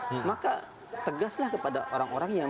jadi saya tegaslah kepada orang orang yang